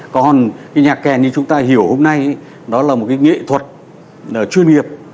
còn cái nhạc kèn như chúng ta hiểu hôm nay đó là một cái nghệ thuật chuyên nghiệp